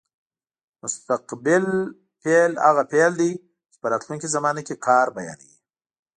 مستقبل فعل هغه فعل دی چې په راتلونکې زمانه کې کار بیانوي.